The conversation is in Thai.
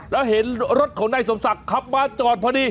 แล้วเห็นรถของนายสมศักดิ์ขับมาจอดพอดี